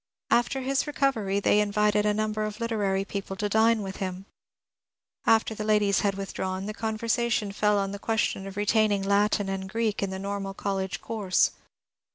After his recovery they invited a number of literary people to dine with him. After the ladies had withdrawn the conversation fell on the question of retaining Latin and Greek in the normal college course.